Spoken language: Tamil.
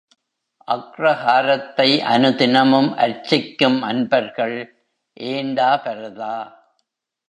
அக்ரகாரத்தை அனுதினமும் அர்ச்சிக்கும் அன்பர்கள் ஏண்டா பரதா!